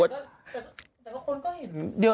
แต่คนก็เห็น